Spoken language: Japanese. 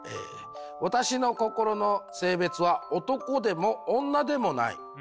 「私の心の性別は男でも女でもない。